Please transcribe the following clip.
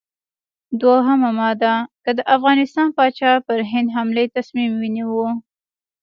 دوهمه ماده: که د افغانستان پاچا پر هند حملې تصمیم ونیو.